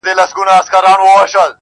ازادۍ ږغ اخبار د هر چا لاس کي ګرځي,